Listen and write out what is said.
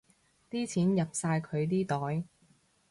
啲錢入晒佢哋袋